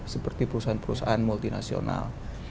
seperti perusahaan perusahaan multinasional